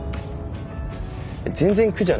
全然苦じゃないよ。